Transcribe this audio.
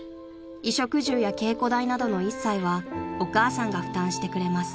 ［衣食住や稽古代などの一切はお母さんが負担してくれます］